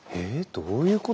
どういうこと？